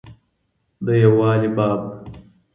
د يووالي باب.